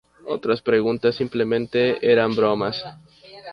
Otras preguntas eran simplemente bromas.